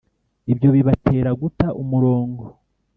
ibyo bibatera guta umurongo